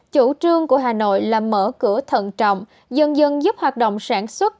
chủ trương của hà nội là mở cửa thận trọng dần dần giúp hoạt động sản xuất